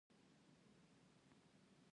چین اقتصادي اصلاحاتو بریالیتوب ترلاسه کړ.